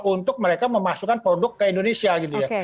untuk mereka memasukkan produk ke indonesia gitu ya